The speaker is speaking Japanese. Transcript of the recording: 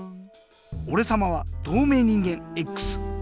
おれさまはとうめい人間Ｘ。